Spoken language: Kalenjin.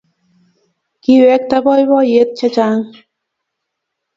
Kiwekta boiboiyet chechang